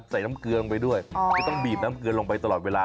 ใส่น้ำเกลือลงไปด้วยก็ต้องบีบน้ำเกลือลงไปตลอดเวลา